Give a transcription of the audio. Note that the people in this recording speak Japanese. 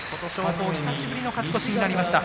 久しぶりの勝ち越しになりました。